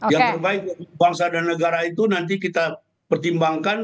yang terbaik bangsa dan negara itu nanti kita pertimbangkan